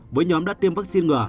với nhóm đã tiêm vaccine ngừa